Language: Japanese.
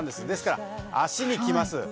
ですから、足に来ます。